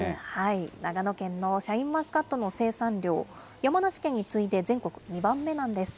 長野県のシャインマスカットの生産量、山梨県に次いで全国２番目なんです。